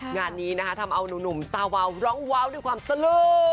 งานนี้นะคะทำเอานุ่มตาวาวร้องวาวด้วยความสลึ